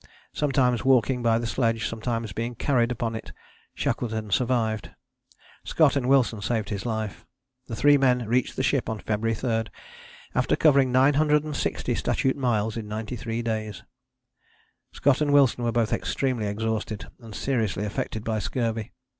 Sometimes walking by the sledge, sometimes being carried upon it, Shackleton survived: Scott and Wilson saved his life. The three men reached the ship on February 3, after covering 960 statute miles in 93 days. Scott and Wilson were both extremely exhausted and seriously affected by scurvy.